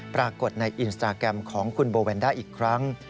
ปรากฏในอินสตาแกรมของคุณโบแวนด้าอีกครั้ง